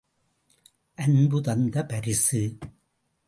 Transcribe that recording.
அன்பு தந்த பரிசு!